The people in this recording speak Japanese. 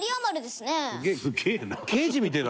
すげえな。